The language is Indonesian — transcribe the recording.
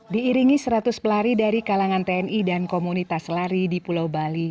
diiringi seratus pelari dari kalangan tni dan komunitas lari di pulau bali